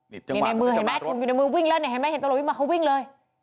ในมือเห็นไหมเห็นตำรวจวิ่งมาเขาวิ่งเลย